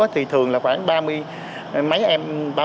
thì thường là khoảng ba mươi mấy em